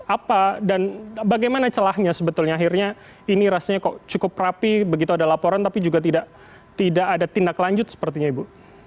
apa dan bagaimana celahnya sebetulnya akhirnya ini rasanya kok cukup rapi begitu ada laporan tapi juga tidak ada tindak lanjut sepertinya ibu